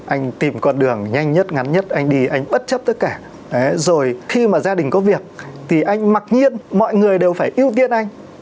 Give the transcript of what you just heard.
anh tìm con đường nhanh nhất ngắn nhất anh đi anh bất chấp tất cả rồi khi mà gia đình có việc thì anh mặc nhiên mọi người đều phải ưu tiên anh